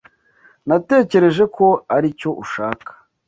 Natekereje ko aricyo ushaka.